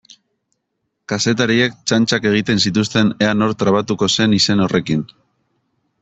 Kazetariek txantxak egiten zituzten ea nor trabatuko zen izen horrekin.